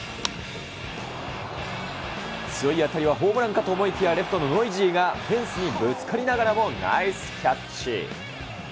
強い当たりはホームランかと思いきや、レフトのノイジーがフェンスにぶつかりながらもナイスキャッチ。